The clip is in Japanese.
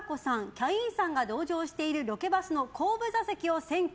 キャインさんが同乗しているロケバスの後部座席を占拠。